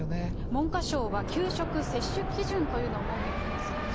文科省は給食摂取基準というのを設けています。